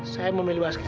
saya memilih masker